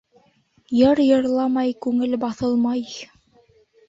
Йыр йырламай күңел баҫылмай.